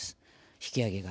引き上げが。